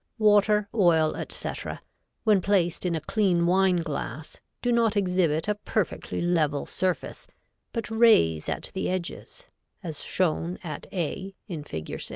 Water, oil, etc., when placed in a clean wine glass, do not exhibit a perfectly level surface, but raise at the edges as shown at a in Fig.